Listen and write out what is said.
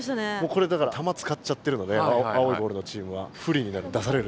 これだから球使っちゃってるので青いボールのチームはふりになる出されるとふりになる。